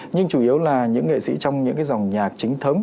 nhưng chủ yếu là những nghệ sĩ trong những cái dòng nhạc chính thống